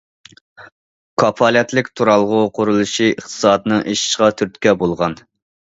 كاپالەتلىك تۇرالغۇ قۇرۇلۇشى ئىقتىسادنىڭ ئېشىشىغا تۈرتكە بولغان.